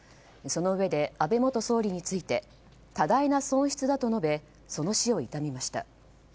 そのうえで安倍元総理について多大な損失だと述べその死を悼みました。